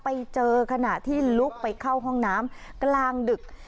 ไปเจอขณะที่ลุกไปเข้าห้องน้ำกลางดึก